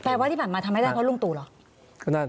ว่าที่ผ่านมาทำไม่ได้เพราะลุงตู่เหรอ